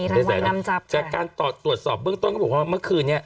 ในแสนจากการตรวจสอบเบื้องต้นก็บอกว่าเมื่อคืนนี้